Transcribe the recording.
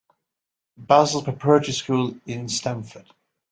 Basil's Preparatory School in Stamford.